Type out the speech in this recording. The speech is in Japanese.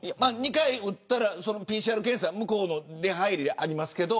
２回打ったらＰＣＲ検査が向こうの出入りでありますけど。